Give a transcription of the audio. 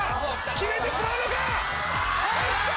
きめてしまうのか？